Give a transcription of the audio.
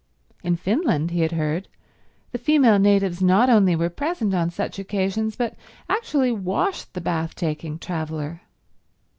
In Finland, he had heard, the female natives not only were present on such occasions but actually washed the bath taking traveler.